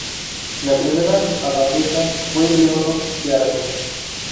La primera abadesa fue Leonor de Aragón.